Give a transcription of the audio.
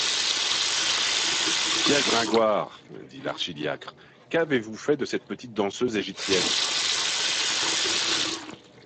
Pierre Gringoire, dit l’archidiacre, qu’avez-vous fait de cette petite danseuse égyptienne?